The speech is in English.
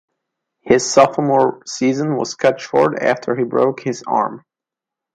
His sophomore season was cut short after he broke his arm.